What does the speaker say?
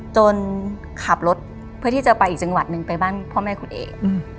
ขับรถเพื่อที่จะไปอีกจังหวัดหนึ่งไปบ้านพ่อแม่คุณเอก